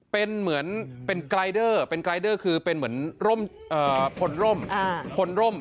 เป็นเหมือนกลายเดอร์เป็นกลายเดอร์คือเป็นเหมือนพนร่ม